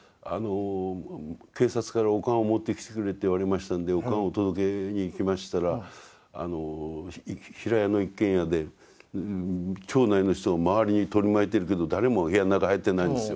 警察からお棺を持ってきてくれって言われましたんでお棺を届けに行きましたら平屋の一軒家で町内の人が周りに取り巻いてるけど誰も部屋の中へ入ってないんですよ。